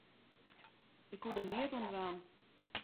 Ik koe der neat oan dwaan.